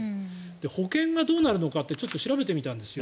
保険がどうなるのかってちょっと調べてみたんですよ。